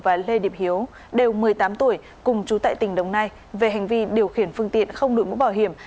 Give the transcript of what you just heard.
và lê điệp hiếu đều một mươi tám tuổi cùng chú tại tỉnh đồng nai về hành vi điều khiển phương tiện không đuổi mũ bảo hiểm